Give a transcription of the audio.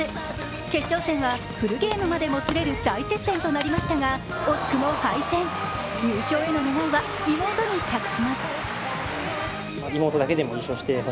決勝戦はフルゲームまでもつれる大接戦となりましたが惜しくも敗戦、優勝への願いは妹へ託します。